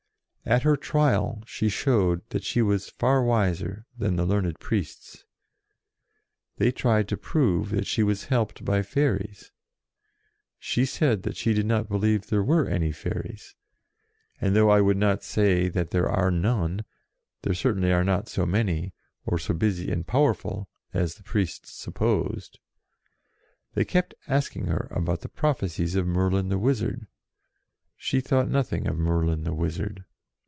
At her Trial she showed that she was far wiser than the learned priests. They tried to prove that she was helped by fairies. She said that she did not believe there were any fairies ; and though I would not say that there are 102 JOAN OF ARC none, there certainly are not so many, or so busy and powerful, as the priests sup posed. They kept asking her about the prophecies of Merlin the Wizard : she thought nothing of Merlin the Wizard.